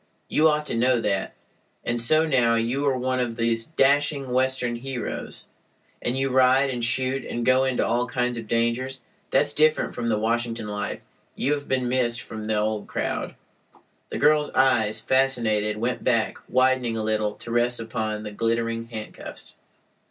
You ought to know that. And so now you are one of these dashing Western heroes, and you ride and shoot and go into all kinds of dangers. That's different from the Washington life. You have been missed from the old crowd." The girl's eyes, fascinated, went back, widening a little, to rest upon the glittering handcuffs.